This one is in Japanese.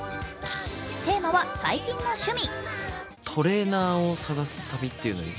テーマは最近の趣味。